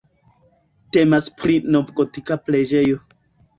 Temas pri novgotika preĝejo.